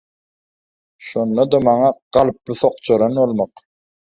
şonda-da maňa galyply sokjaran bolmak.